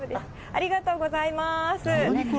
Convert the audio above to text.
ありがとうございます。